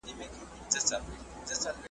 دا هغه توپان راغلی چي په خوب کي مي لیدلی .